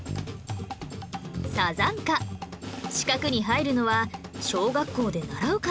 サザンカ四角に入るのは小学校で習う漢字ですよ